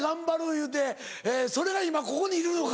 言うてそれが今ここにいるのか。